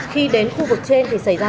khi đến khu vực trên thì xảy ra